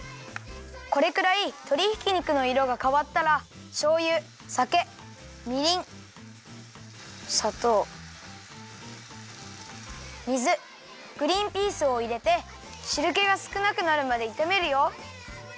これくらいとりひき肉のいろがかわったらしょうゆさけみりんさとう水グリンピースをいれてしるけがすくなくなるまでいためるよ。